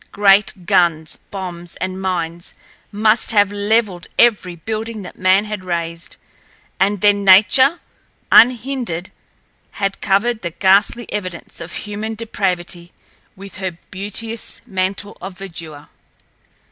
Great guns, bombs, and mines must have leveled every building that man had raised, and then nature, unhindered, had covered the ghastly evidence of human depravity with her beauteous mantle of verdure.